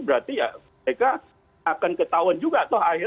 berarti ya mereka akan ketahuan juga